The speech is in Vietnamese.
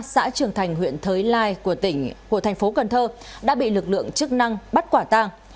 xã trường thành huyện thới lai của thành phố cần thơ đã bị lực lượng chức năng bắt quả tàng